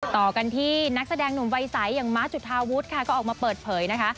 ต่อกันที่นักแสดงหนุ่มวัยใสอย่างม้าจุธาวุฒิค่ะก็ออกมาเปิดเผยนะคะ